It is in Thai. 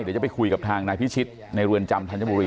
เดี๋ยวจะไปคุยกับทางนายพิชิตในเรือนจำธัญบุรี